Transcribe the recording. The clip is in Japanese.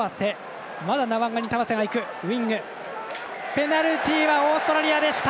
ペナルティはオーストラリアでした！